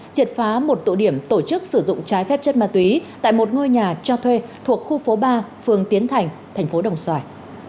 triệt phá một tụ điểm tổ chức sử dụng trái phép chất ma túy tại một ngôi nhà cho thuê thuộc khu phố ba phương tiến thành thành phố đồng xoài